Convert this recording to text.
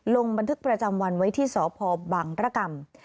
ลงบันทึกประจำวันไว้ที่สพบังรกรรม